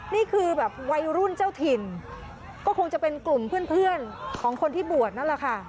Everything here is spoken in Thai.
นี่คือแบบวัยรุ่นเจ้าถิ่นก็คงจะเป็นกลุ่มเพื่อนของคนที่บวชนั่นแหละค่ะ